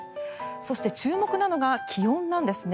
そして、注目なのが気温なんですね。